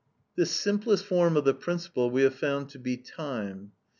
This simplest form of the principle we have found to be time.